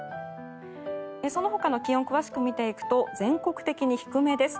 そのほかの気温を詳しく見ていくと全国的に低めです。